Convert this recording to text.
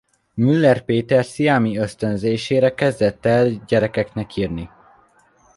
Müller Péter Sziámi ösztönzésére kezdett el gyerekeknek írni.